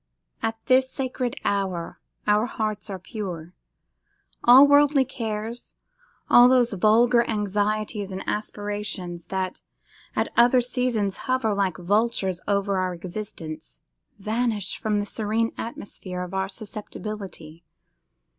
At this sacred hour our hearts are pure. All worldly cares, all those vulgar anxieties and aspirations that at other seasons hover like vultures over our existence, vanish from the serene atmosphere of our susceptibility.